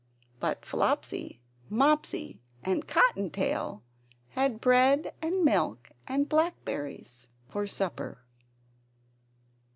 But Flopsy, Mopsy, and Cotton tail had bread and milk and blackberries for supper.